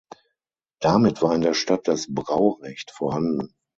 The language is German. Damit war in der Stadt das Braurecht vorhanden.